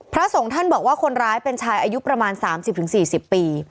พระสงฆ์ท่านบอกว่าคนร้ายเป็นชายอายุประมาณ๓๐๔๐ปี